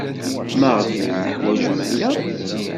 Maɣef ay teḥwajem aya?